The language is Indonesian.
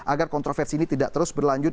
agar kontroversi ini tidak terus berlanjut